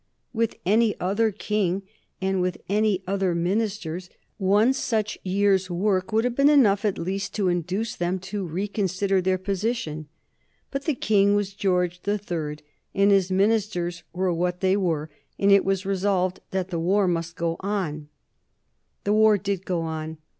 With any other king and with any other ministers one such year's work would have been enough at least to induce them to reconsider their position. But the King was George the Third, and his ministers were what they were, and it was resolved that the war must go on. [Sidenote: 1775 81 The Declaration of Independence] The war did go on.